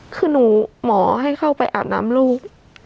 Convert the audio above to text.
คือหนูหมอให้เข้าไปอาบน้ำลูก